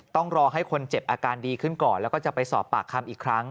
ต้องรอให้คนเจ็บอาการดีขึ้นก่อนแล้วก็จะไปสอบปากคำอีกครั้ง